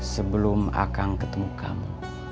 sebelum akang ketemu kamu